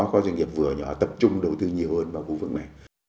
và các doanh nghiệp vừa nhỏ tập trung đầu tư nhiều hơn vào khu vực nông nghiệp